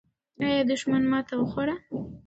آیا دښمن ماته وخوړه؟